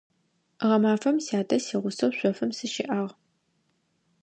Гъэмафэм сятэ сигъусэу шъофым сыщыӀагъ.